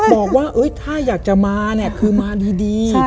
บอกว่าถ้าอยากจะมาคือมาดีดี